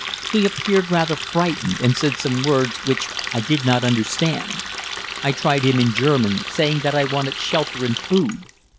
He appeared rather frightened, and said some words which I did not understand. I tried him in German, saying that I wanted shelter and food.